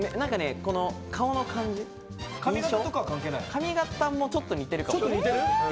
髪形もちょっと似てるかも。